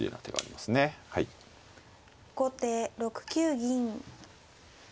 後手６九銀。